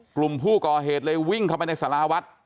กลุ่มผู้ก่อเหตุเลยวิ่งเข้าไปในสาราวัด